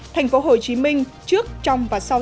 thành phố hồ chí minh trước trong và sau